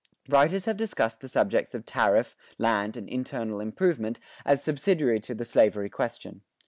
Writers have discussed the subjects of tariff, land, and internal improvement, as subsidiary to the slavery question.